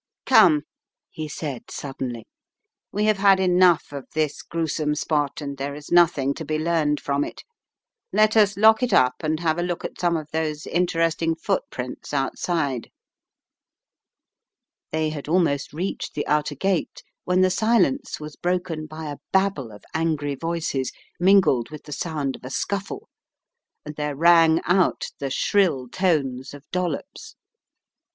"Come," he said suddenly, "We have had enough of this gruesome spot, and there is nothing to be learned from it. Let us lock it up and have a look at some of those interesting footprints outside/' They had almost reached the outer gate when the silence was broken by a babble of angry voices, mingled with the sound of a scuffle, and there rang out the shrill tones of Dollops.